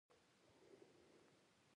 هر انسان د مانا په لټه کې دی.